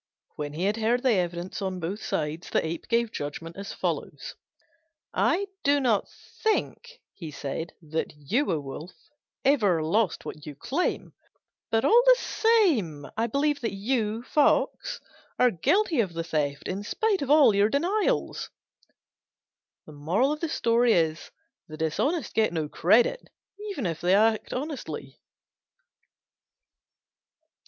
When he had heard the evidence on both sides, the Ape gave judgment as follows: "I do not think," he said, "that you, O Wolf, ever lost what you claim; but all the same I believe that you, Fox, are guilty of the theft, in spite of all your denials." The dishonest get no credit, even if they act honestly.